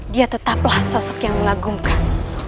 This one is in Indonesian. dia tetaplah sosok yang mengagumkan